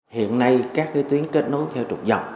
hiện nay các tuyến kết nối theo trục dọc